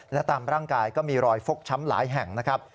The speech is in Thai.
และตามร่างกายก็มีรอยฟกช้ำหลายแห่งนะครับ